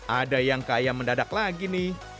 ada yang kaya mendadak lagi nih